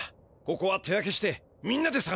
ここは手分けしてみんなでさがそう！